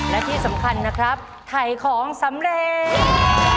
และที่สำคัญนะครับถ่ายของสำเร็จ